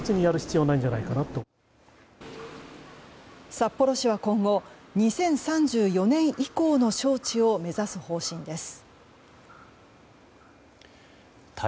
札幌市は今後２０３４年以降の招致を目指す方針です。